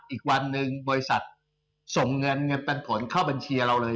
อีกวันหนึ่งบริษัทส่งเงินเงินปันผลเข้าบัญชีเราเลย